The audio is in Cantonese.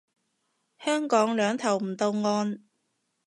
香港兩頭唔到岸